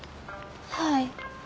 はい。